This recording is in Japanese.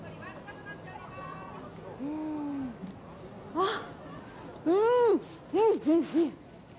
あっ、うん、うんうん。